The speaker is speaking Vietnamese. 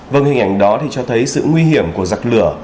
vâng hình ảnh đó thì cho thấy sự nguy hiểm của giặc lửa